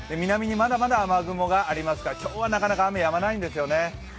南にまだまだ雨雲がありますから今日はなかなか雨やまないんですよね。